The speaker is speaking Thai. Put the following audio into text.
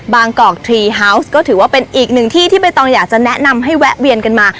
กอกทรีฮาวส์ก็ถือว่าเป็นอีกหนึ่งที่ที่ใบตองอยากจะแนะนำให้แวะเวียนกันมา